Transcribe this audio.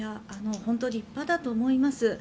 本当に立派だと思います。